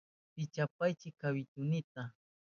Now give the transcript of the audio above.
Pichapaychi kawituynita.